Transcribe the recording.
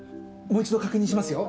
もう一度確認しますよ？